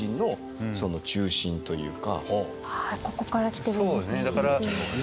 ここから来てるんですね。